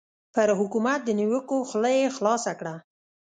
پر حکومت د نیوکو خوله یې خلاصه کړه.